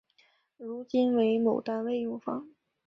如今为某单位用房。